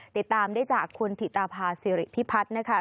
ติดตามได้จากคุณถิตาภาษิริพิพัฒน์นะคะ